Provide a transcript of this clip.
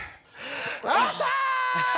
あった！